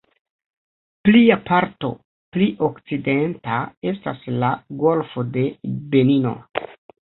Plia parto, pli okcidenta, estas la "Golfo de Benino".